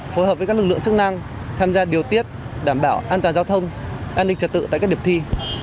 phối hợp với các lực lượng chức năng tham gia điều tiết đảm bảo an toàn giao thông an ninh trật tự tại các điểm thi